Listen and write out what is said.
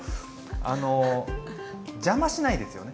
あの邪魔しないですよね